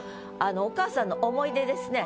お母さんの思い出ですね。